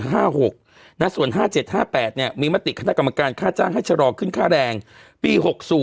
ส่วน๕๗๕๘มีมติคณะกรรมการค่าจ้างให้ชะลอขึ้นค่าแรงปี๖๐